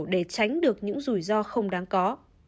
để tránh được những rủi ro không đáng có